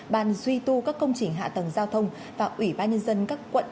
ban duy tu các công trình hạ tầng giao thông và ủy ban nhân dân các quận